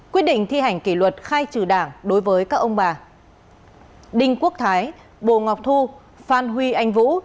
quyết định thi hành kỷ luật khai trừ đảng đối với các ông bà đinh quốc thái bồ ngọc thu phan huy anh vũ